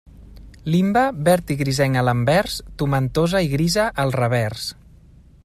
Limbe, verd grisenc a l'anvers, tomentosa i grisa al revers.